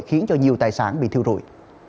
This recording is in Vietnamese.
khiến cho nhiều tài sản bị thiêu rụi